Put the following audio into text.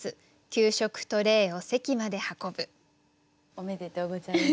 おめでとうございます。